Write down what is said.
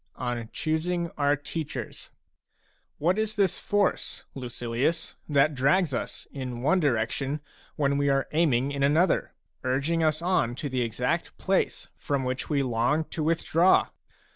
LII. ON CHOOSING OUR TEACHERS What is this force, Lucilius, that drags us in one direction when we are aiming in another, urging us on to the exact place from which we long to with draw